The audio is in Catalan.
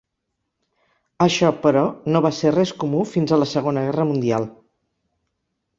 Això, però, no va ser res comú fins a la Segona Guerra Mundial.